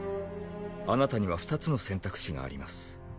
あなたには２つの選択肢があります。